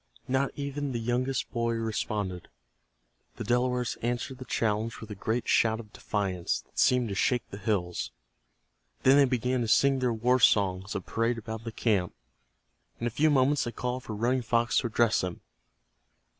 Not even the youngest boy responded. The Delawares answered the challenge with a great shout of defiance that seemed to shake the hills. Then they began to sing their war songs, and parade about the camp. In a few moments they called for Running Fox to address them.